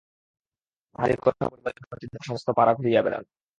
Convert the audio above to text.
তাহারই কথা বলিবার জন্য তিনি এখন সমস্ত পাড়া ঘুরিয়া বেড়ান।